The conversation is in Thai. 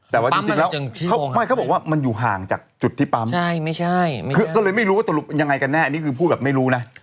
แต่ว่าจริงแล้วเขาไม่เขาบอกว่ามันอยู่ห่างจากจุดที่ปั๊มก็เลยไม่รู้ว่าตกลงยังไงกันแน่อันนี้คือพูดแบบไม่รู้นะ